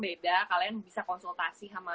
beda kalian bisa konsultasi sama